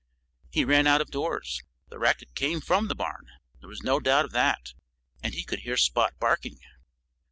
He ran out of doors. The racket came from the barn. There was no doubt of that. And he could hear Spot barking.